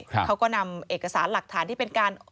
เขาก็นำเอกสารหลักฐานที่เป็นการ